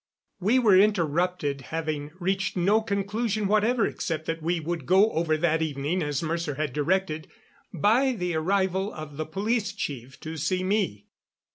We were interrupted having reached no conclusion whatever except that we would go over that evening as Mercer had directed by the arrival of the police chief to see me.